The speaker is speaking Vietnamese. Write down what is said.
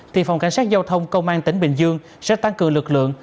thì phòng cảnh sát giao thông công an tỉnh bình dương sẽ tăng cường lực lượng